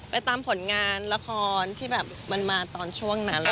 ไปตามผลงานละครที่แบบมันมาตอนช่วงนั้น